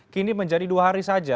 kini menjadi dua hari saja